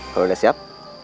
kalau udah siap